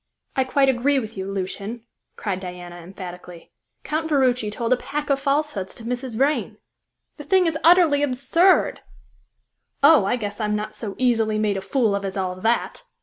"I quite agree with you, Lucian," cried Diana emphatically. "Count Ferruci told a pack of falsehoods to Mrs. Vrain! The thing is utterly absurd!" "Oh, I guess I'm not so easily made a fool of as all that!"